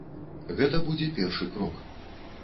Гэта будзе першы крок.